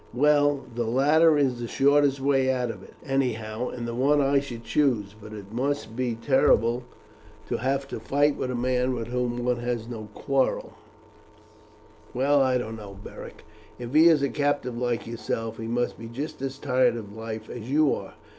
"Well, the latter is the shortest way out of it, anyhow, and the one I should choose; but it must be terrible to have to fight with a man with whom one has had no quarrel," Beric said. "Well, I don't know, Beric. If he is a captive like yourself, he must be just as tired of life as you are.